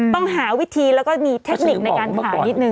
ต้องหาวิธีแล้วก็มีเทคนิคในการขายนิดนึ